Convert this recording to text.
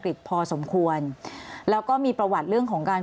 ก็คลิปออกมาแบบนี้เลยว่ามีอาวุธปืนแน่นอน